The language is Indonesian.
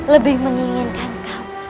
lebih menginginkan kau